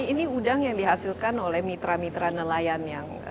ini udang yang dihasilkan oleh mitra mitra nelayan yang